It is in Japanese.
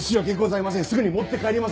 すぐに持って帰りますので！